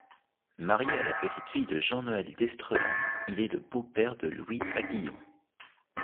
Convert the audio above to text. Marié à la petite-fille de Jean-Noël d’Estrehan, il est le beau-père de Louis Aguillon.